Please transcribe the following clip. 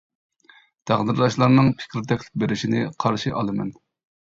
تەقدىرداشلارنىڭ پىكىر تەكلىپ بېرىشىنى قارشى ئالىمەن.